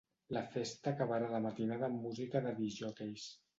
La festa acabarà de matinada amb música de discjòqueis.